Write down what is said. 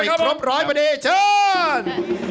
จะไปครบร้อยพอดีเชิญ